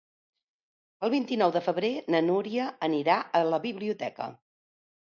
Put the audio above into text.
El vint-i-nou de febrer na Núria anirà a la biblioteca.